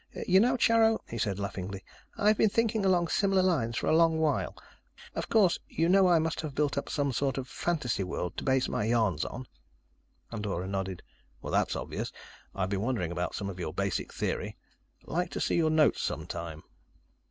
"You know, Charo," he said laughingly, "I've been thinking along similar lines for a long while. Of course, you know I must have built up some sort of fantasy world to base my yarns on?" Andorra nodded. "That's obvious. I've been wondering about some of your basic theory. Like to see your notes some time."